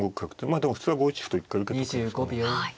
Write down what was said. まあでも普通は５一歩と一回受けとくんですかね。